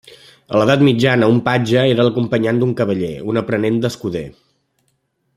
A l'edat mitjana, un patge era l'acompanyant d'un cavaller, un aprenent d'escuder.